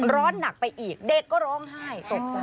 ร้อนหนักไปอีกเด็กก็ร้องไห้ตกใจ